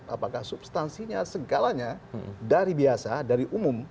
apakah substansinya segalanya dari biasa dari umum